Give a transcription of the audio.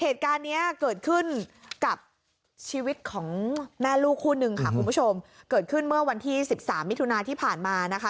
เหตุการณ์เนี้ยเกิดขึ้นกับชีวิตของแม่ลูกคู่นึงค่ะคุณผู้ชมเกิดขึ้นเมื่อวันที่สิบสามมิถุนาที่ผ่านมานะคะ